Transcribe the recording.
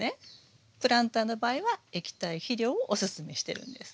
プランターの場合は液体肥料をおすすめしてるんです。